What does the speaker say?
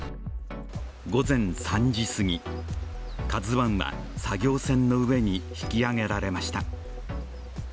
午前３時すぎ、「ＫＡＺＵⅠ」は作業船の上に引き揚げられました。